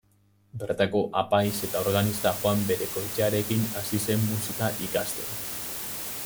Bertako apaiz eta organista Juan Berekoetxearekin hasi zen musika ikasten.